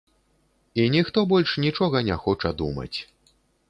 І ніхто больш нічога не хоча думаць.